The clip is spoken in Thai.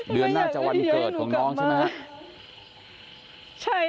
เดือนหน้าจะวันเกิดของน้องใช่ไหมครับ